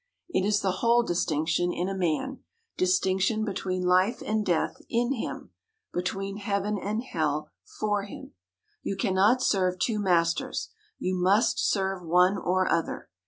It is the whole distinction in a man; distinction between life and death in him, between heaven and hell for him. You cannot serve two masters: you must serve one or other.